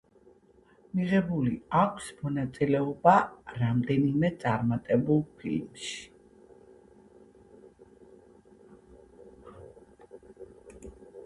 მიღებული აქვს მონაწილეობა რამდენიმე წარმატებულ ფილმში.